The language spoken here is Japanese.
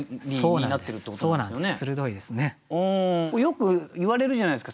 よくいわれるじゃないですか。